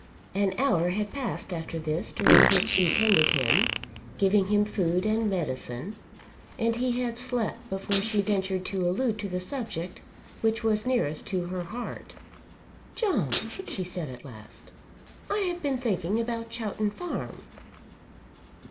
An hour had passed after this during which she tended him, giving him food and medicine, and he had slept before she ventured to allude to the subject which was nearest to her heart. "John," she said at last, "I have been thinking about Chowton Farm."